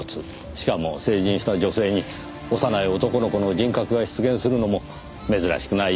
しかも成人した女性に幼い男の子の人格が出現するのも珍しくないようですねぇ。